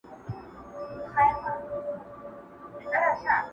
چوروندک له خوشالیه په ګډا سو٫